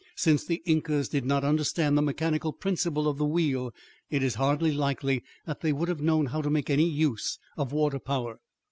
Since the Incas did not understand the mechanical principle of the wheel, it is hardly likely that they would have known how to make any use of water power.